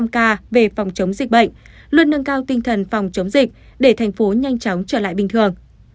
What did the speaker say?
một mươi ca về phòng chống dịch bệnh luôn nâng cao tinh thần phòng chống dịch để thành phố nhanh chóng trở lại bình thường